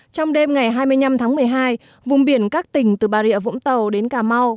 trong đêm ngày hai mươi năm tháng một mươi hai vùng biển các tỉnh từ bà rịa vũng tàu đến cà mau